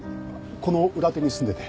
この裏手に住んでて。